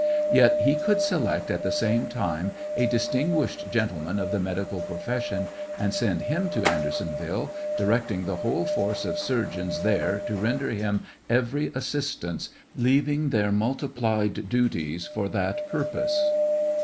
Yet he could select, at the same time, a dis tinguished gentleman of the medical profession and send him to Andersonville, directing the whole force of surgeons there to render him every assistance, leaving their multiplied xluties for that purpose